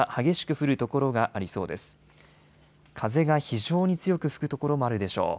風が非常に強く吹く所もあるでしょう。